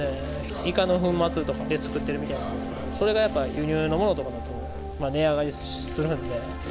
イカの粉末とかで作ってるみたいなんですけど、それがやっぱ、輸入のものとかだと値上がりするんで。